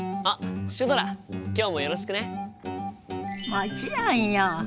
もちろんよ！